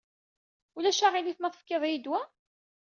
Ulac aɣilif ma tefkiḍ-iyi-d wa?